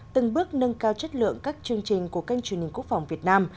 từng bước nâng cao chất lượng các chương trình của kênh truyền hình quốc phòng việt nam